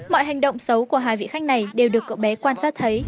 mọi hành động xấu của hai vị khách này đều được cậu bé quan sát thấy